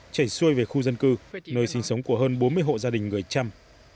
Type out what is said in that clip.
chảy xuôi về khu dân cư nơi sinh sống của hơn bốn mươi hộ gia đình người chăm